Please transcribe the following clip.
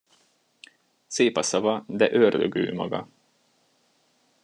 Szép a szava, de ördög ő maga.